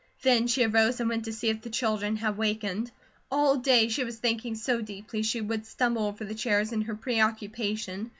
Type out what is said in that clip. Then she arose and went to see if the children had wakened. All day she was thinking so deeply she would stumble over the chairs in her preoccupation.